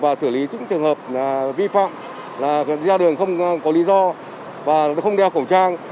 và xử lý những trường hợp vi phạm là ra đường không có lý do và không đeo khẩu trang